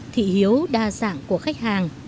thị hiếu đa dạng của khách hàng